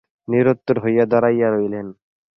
নিরুত্তর হইয়া দাঁড়াইয়া রহিলেন।